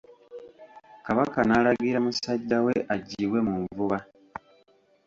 Kabaka n'alagira musajja we aggyibwe mu nvuba.